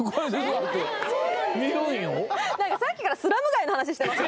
なんかさっきからスラム街の話してます？